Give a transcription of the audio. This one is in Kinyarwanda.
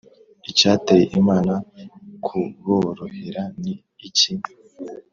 Icyateye Imana kuborohera ni iki?